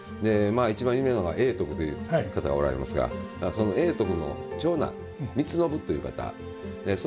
一番有名なのは永徳という方がおられますがその永徳の長男光信という方その方が描かれたと。